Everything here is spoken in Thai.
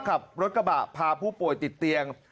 ขับรถกระบะพาผู้ป่วยติดเตียง